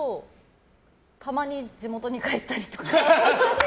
たまに地元に帰ったりとか。